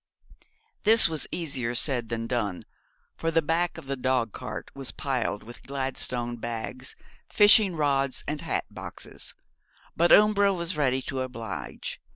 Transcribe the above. This was easier said than done, for the back of the dogcart was piled with Gladstone bags, fishing rods, and hat boxes; but Umbra was ready to oblige.